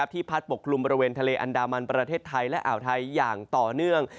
พัดปกคลุมบริเวณทะเลอันดามันประเทศไทยและอ่าวไทยอย่างต่อเนื่อง